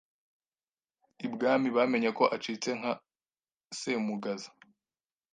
Ibwami bamenya ko acitse nka Semugaza,